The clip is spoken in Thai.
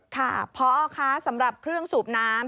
ค่ะพอคะสำหรับเครื่องสูบน้ำ